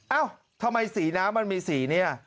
เอ้าทำไมสีน้ำมันมีสีเนี่ย